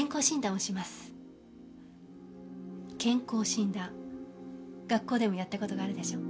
健康診断学校でもやったことがあるでしょ？